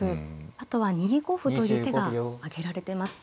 あとは２五歩という手が挙げられてます。